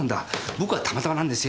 僕はたまたまなんですよ。